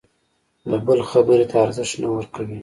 د بل خبرې ته ارزښت نه ورکوي.